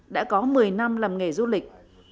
đã có một mươi năm làm nghề du lịch